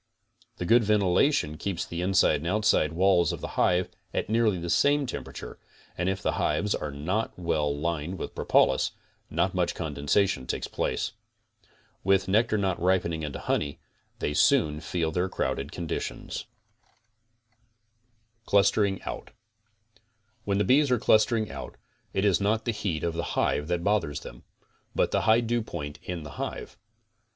The good ventilation keeps the inside and outside walls of the hive at nearly the same temperature and if the hives are not well lined with propolis, not much condensation takes place. With nectar not ripening into honey, they soon feel their crowded condition. CLUSTERING OUT When the bees are clustering out, it is not the heat of the hive that bothers them, but the high dewpoint in the hive.